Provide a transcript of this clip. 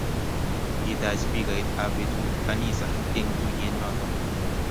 Kitach spikait ab betut kanisa eng tuyet noto